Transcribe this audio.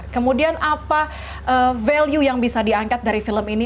kemudian apa value yang bisa diangkat dari film ini